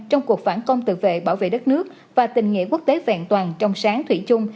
trong cuộc phản công tự vệ bảo vệ đất nước và tình nghĩa quốc tế vẹn toàn trong sáng thủy chung